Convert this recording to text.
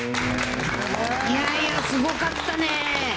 いやいや、すごかったね。